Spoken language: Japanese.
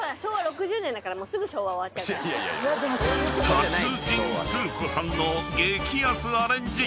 ［達人スー子さんの激安アレンジ］